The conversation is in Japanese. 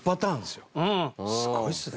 すごいですね。